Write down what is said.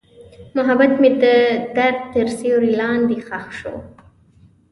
محبت مې د درد تر سیوري لاندې ښخ شو.